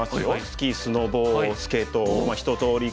スキースノボスケート一とおり